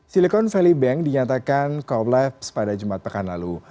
silicon valley bank dinyatakan collapse pada jumat pekan lalu